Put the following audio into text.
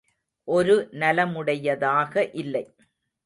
ஒரு நலமுடையதாக இல்லை.